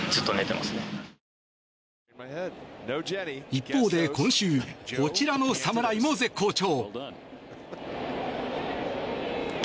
一方で今週こちらの侍も絶好調。